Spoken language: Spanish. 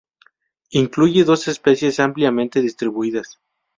Incluye dos especies ampliamente distribuidas.